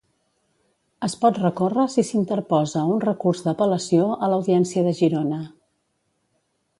Es pot recórrer si s'interposa un recurs d'apel·lació a l'Audiència de Girona.